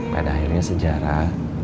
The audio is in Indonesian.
pada akhirnya sejarah